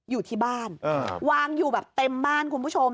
อยู่ที่บ้านวางอยู่แบบเต็มบ้านคุณผู้ชม